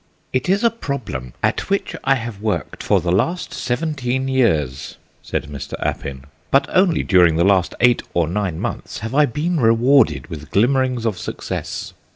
"It is a problem at which I have worked for the last seventeen years," said Mr. Appin, "but only during the last eight or nine months have I been rewarded with glimmerings of success.